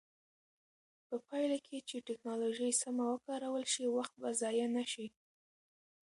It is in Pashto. په پایله کې چې ټکنالوژي سمه وکارول شي، وخت به ضایع نه شي.